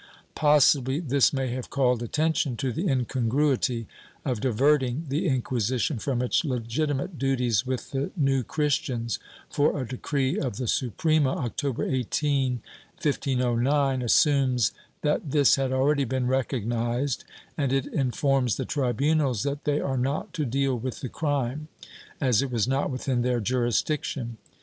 ^ Possibly this may have called attention to the incongruity of diverting the Inquisition from its legitimate duties with the New Christians, for a decree of the Suprema, October 18, 1509, assumes that this had already been recognized, and it informs the tribunals that they are not to deal with the crime, as it was not within their jurisdiction.